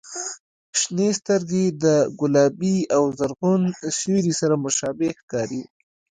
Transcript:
• شنې سترګې د ګلابي او زرغون سیوري سره مشابه ښکاري.